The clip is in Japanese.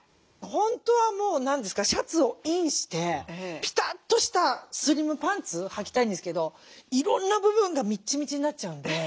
本当はもう何ですかシャツをインしてピタッとしたスリムパンツはきたいんですけどいろんな部分がみっちみちになっちゃうんで。